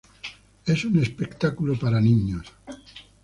Es un espectáculo para niños.